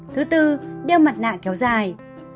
thứ tư đeo mặt nạ kéo dài